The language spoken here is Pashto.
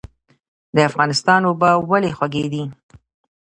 د افغانستان اوبه ولې خوږې دي؟